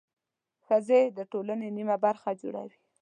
ښځې د ټولنې نميه برخه جوړوي.